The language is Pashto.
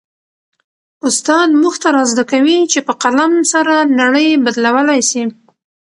استاد موږ ته را زده کوي چي په قلم سره نړۍ بدلولای سي.